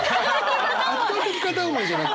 圧倒的片思いじゃなく！